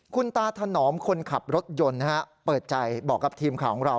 คุณตาถนอมคนขับรถยนต์เปิดใจบอกกับทีมข่าวของเรา